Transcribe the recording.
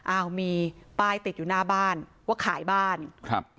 อ้าวมีป้ายติดอยู่หน้าบ้านว่าขายบ้านครับ